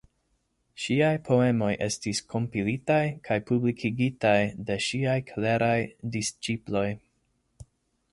Ŝiaj poemoj estis kompilitaj kaj publikigitaj de ŝiaj kleraj disĉiploj.